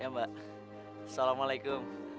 ya mbak assalamualaikum